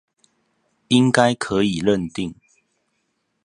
應該可以認定